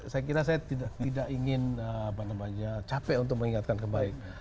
saya kira saya tidak ingin capek untuk mengingatkan kembali